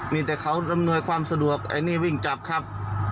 มีแต่เขาอำนวยความสะดวกไอ้นี่วิ่งจับครับ